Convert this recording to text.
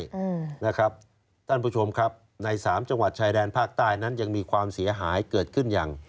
อืมนะครับท่านผู้ชมครับในสามจังหวัดชายแดนภาคใต้นั้นยังมีความเสียหายเกิดขึ้นอย่าง